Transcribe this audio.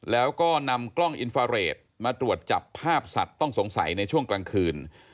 แล้วก็นำกล้องอินฟาเรทมาตรวจจับภาพสัตว์ต้องสงสัยในช่วงกลางคืน